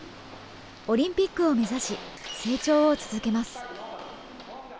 オリンピックを目指し、成長を続けます。